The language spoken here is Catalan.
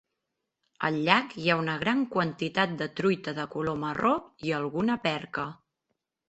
El llac hi ha una gran quantitat de truita de color marró i alguna perca.